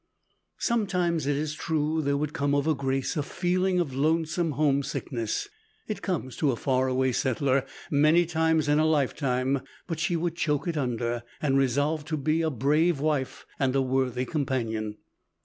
Sometimes, it is true, there would come over Grace a feeling of lonesome homesickness. It comes to a far away settler many times in a lifetime; but she would choke it under, and resolve to be a brave wife and a worthy companion.